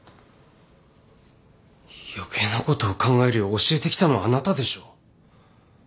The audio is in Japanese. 余計なことを考えるよう教えてきたのはあなたでしょう。